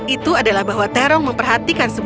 itu adalah bahwa terong memperhatikan